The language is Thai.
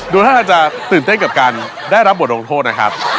ท่านอาจจะตื่นเต้นกับการได้รับบทลงโทษนะครับ